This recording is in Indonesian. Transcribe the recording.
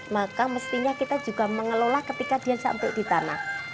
maka mestinya kita juga mengelola ketika dia sampai di tanah